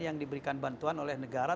yang diberikan bantuan oleh negara